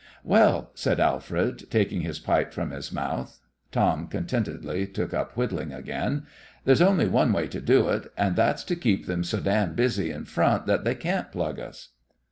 "Well," said Alfred, taking his pipe from his mouth Tom contentedly took up whittling again "there's only one way to do it, and that's to keep them so damn busy in front that they can't plug us."